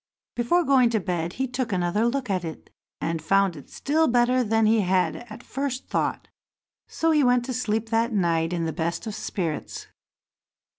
Before going to bed he took another look at it, and found it still better than he had at first thought, so he went to sleep that night in the best of spirits.